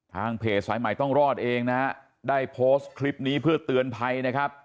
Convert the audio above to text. ทางเพจสายใหม่ต้องรอดเองนะฮะได้โพสต์คลิปนี้เพื่อเตือนภัยนะครับ